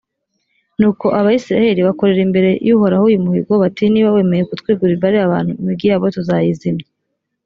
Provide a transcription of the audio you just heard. nuko abayisraheli bakorera imbere y’uhoraho uyu muhigo, bati «niba wemeye kutwegurira bariya bantu, imigi yabo tuzayizimya.